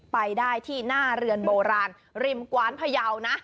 ไปได้ที่หน้าเรือนโบราณริมกว้านพยาวนะ